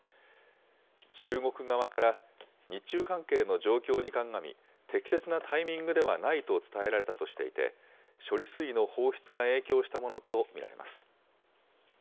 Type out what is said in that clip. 中国側から日中関係の状況に鑑み、適切なタイミングではないと伝えられたとしていて、処理水の放出が影響したものと見られます。